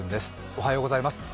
おはようございます。